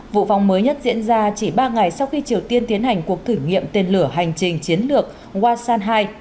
vụ phóng mới nhất diễn ra chỉ ba ngày sau khi triều tiên tiến hành cuộc thử nghiệm tên lửa hành trình chiến lược wasan hai